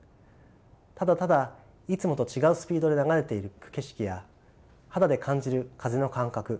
ただただいつもと違うスピードで流れていく景色や肌で感じる風の感覚